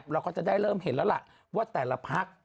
เราก็จะได้เริ่มเห็นแล้วล่ะว่าแต่ละพัก